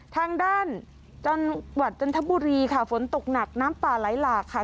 ทางด้านจังหวัดจันทบุรีค่ะฝนตกหนักน้ำป่าไหลหลากค่ะ